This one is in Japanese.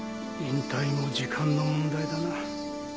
引退も時間の問題だな。